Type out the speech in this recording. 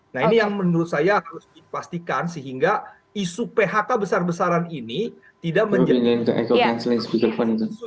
nah ini yang menurut saya harus dipastikan sehingga isu phk besar besaran ini tidak menjamin